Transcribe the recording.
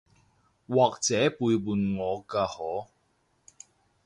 或者背叛我㗎嗬？